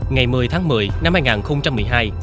ngày một mươi tháng một mươi năm hai nghìn một mươi hai